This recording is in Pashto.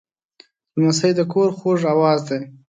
لمسی د کور خوږ آواز دی.